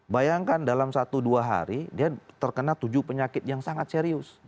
bayangkan dalam satu dua hari dia terkena tujuh penyakit yang sangat serius